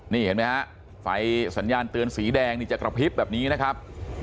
นี่เห็นไหมฮะไฟสัญญาณเตือนสีแดงนี่จะกระพริบแบบนี้นะครับ